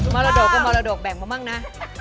มรดกก็มรดกแบ่งมามั่งนะ